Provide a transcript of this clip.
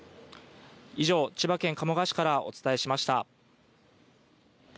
以上、千葉県鴨川市からお伝えしました。